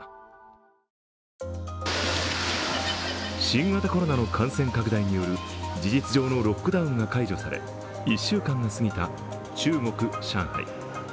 新型コロナの感染拡大による事実上のロックダウンが解除され１週間が過ぎた中国・上海。